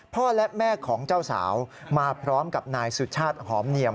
พ่อและแม่ของเจ้าสาวมาพร้อมกับนายสุชาติหอมเนียม